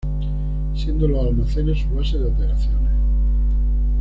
Siendo los almacenes su base de operaciones.